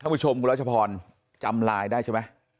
ท่านผู้ชมคุณรัชพรจำลายได้ใช่ไหมอ่ะ